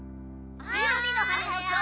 おはよう！